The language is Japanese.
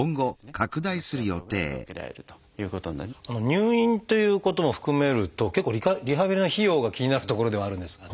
入院ということも含めると結構リハビリの費用が気になるところではあるんですが。